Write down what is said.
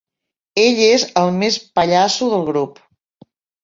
Ell és el més pallasso del grup.